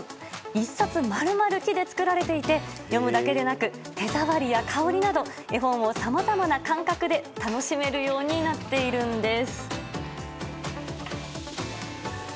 １冊丸々木で作られていて読むだけでなく手触りや香りなど絵本をさまざまな感覚で楽しめるようになっているんです。